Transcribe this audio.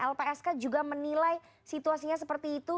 lpsk juga menilai situasinya seperti itu